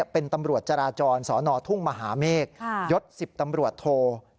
เป็นตำรวจจราจรสนทุ่งมหาเมฆยศ๑๐ตำรวจโท